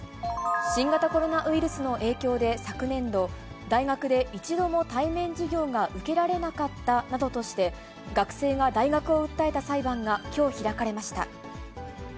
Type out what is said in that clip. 新型コロナウイルスの影響で昨年度、大学で一度も対面授業が受けられなかったなどとして、学生が大学を訴えた裁判がきょう開かれました。